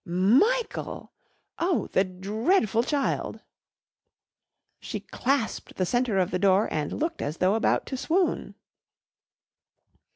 "Michael! Oh, the dreadful child!" She clasped the centre of the door and looked as though about to swoon.